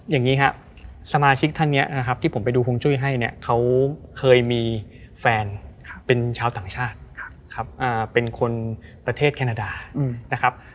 อย่างนี้ครับสมาชิกท่านนี้นะครับที่ผมไปดูฮวงจุ้ยให้เนี่ยเขาเคยมีแฟนเป็นชาวต่างชาติครับเป็นคนประเทศแคนาดานะครับ